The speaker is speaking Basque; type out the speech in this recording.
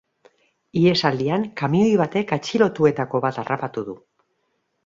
Ihesaldian kamioi batek atxilotuetako bat harrapatu du.